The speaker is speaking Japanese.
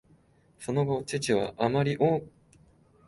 その後、父は「あまり欧米に心酔するのはよくない」